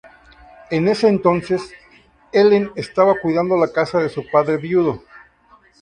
En ese entonces, Ellen estaba cuidando la casa de su padre viudo.